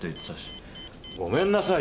ごめんなさい！